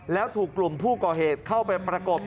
แล้วถูกกลุ่มผู้ก่อเหตุเข้าไปประกบ